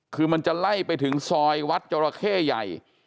คือมันจะไล่ไปถึงซอยวัดจราเข้ใหญ่